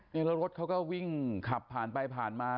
แล้วรถเขาก็วิ่งขับผ่านไปผ่านมา